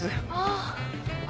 ああ。